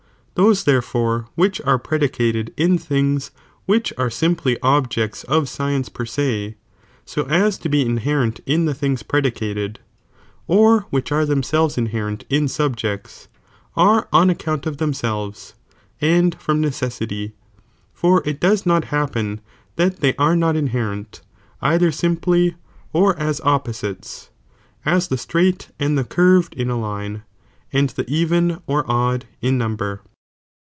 Those therefore which are predicated in things r™^',J|,'^ which are simply objects of science per ac, bo aa to be inherent in the things predicated," or which •'■'""^^ are Lhcniselvea inherent in subjects,'!' are on He i loimolt, count of themselves, and from necessity, for it does not happen that they are not inherent either simply or as opposites, as the straight and the curved in a line, and the even or odd in number.